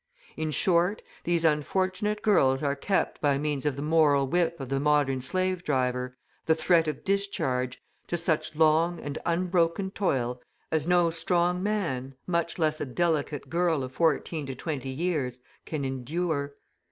In short, these unfortunate girls are kept by means of the moral whip of the modern slave driver, the threat of discharge, to such long and unbroken toil as no strong man, much less a delicate girl of fourteen to twenty years, can endure.